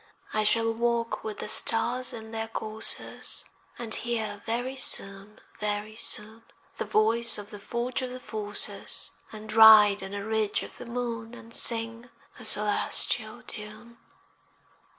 I shall walk with the stars in their courses, And hear very soon, very soon, The voice of the forge of the Forces, And ride on a ridge of the moon, And sing a celestial tune.